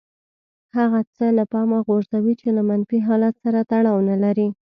هغه څه له پامه غورځوي چې له منفي حالت سره تړاو نه لري.